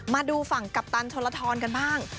มาดูฝั่งกัปตันชนละทรกันบ้าง